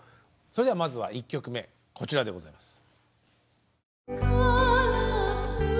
それではまずは１曲目こちらでございます。